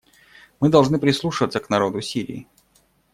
Мы должны прислушаться к народу Сирии.